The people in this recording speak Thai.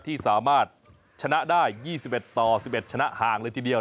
ที่สามารถชนะได้๒๑ต่อ๑๑ชนะห่างเลยทีเดียว